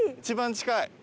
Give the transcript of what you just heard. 一番近い？